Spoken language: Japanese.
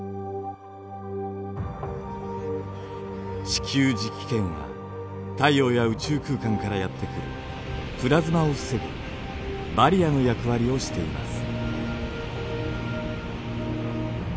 地球磁気圏は太陽や宇宙空間からやって来るプラズマを防ぐバリアの役割をしています。